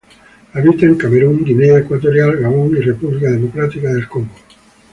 Habita en Camerún, Guinea Ecuatorial, Gabón y República Democrática del Congo.